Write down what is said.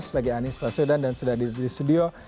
bagi anis basudan dan sudah ada di studio